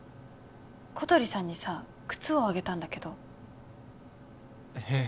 小鳥さんにさ靴をあげたんだけどへえ